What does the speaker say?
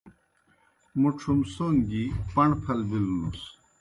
موْ ڇُھمسون گیْ پݨ پھل بِلوْنُس۔